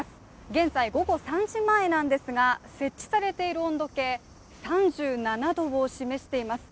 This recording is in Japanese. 現在午後３時前なんですが、設置されている温度計、３７度を示しています。